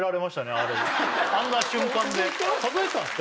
あれあんな瞬間で数えたんですか